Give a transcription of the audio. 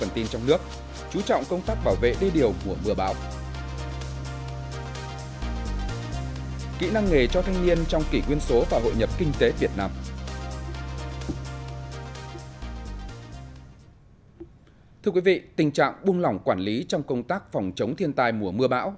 thưa quý vị tình trạng buông lỏng quản lý trong công tác phòng chống thiên tai mùa mưa bão